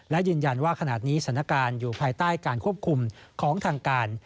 และยืนยันว่าขณะนี้สถานการณ์อยู่ภายใต้การควบคุมของทางการ